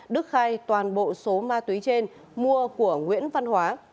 đức khai toàn bộ số ma túy trên mua của nguyễn văn hóa